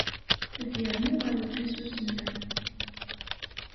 Ad d-yernu ɣer uqisus-nneɣ.